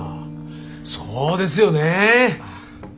そうですよね。